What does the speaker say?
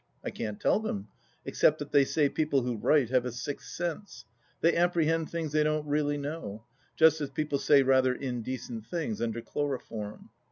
I can't tell them, except that they say people who write have a sixth sense — ^they apprehend things they don't really know, just as people say rather indecent things under chloroform.